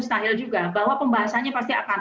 tetapi kalau mau lewat proses pembahasan ya